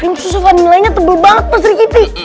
cream susu vanillainya tebal banget pastor gity